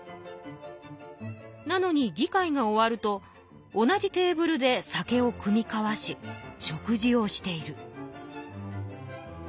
なのに議会が終わると同じテーブルで酒をくみ交わし食事をしている」。